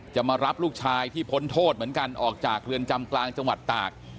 มารับลูกชายที่พ้นโทษเหมือนกันออกจากเรือนจำกลางจังหวัดตาก